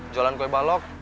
jualan kue balok